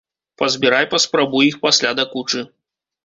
Пазбірай паспрабуй іх пасля да кучы.